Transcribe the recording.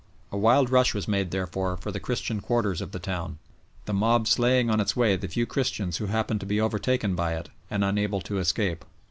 A wild rush was made, therefore, for the Christian quarters of the town, the mob slaying on its way the few Christians who happened to be overtaken by it and unable to escape.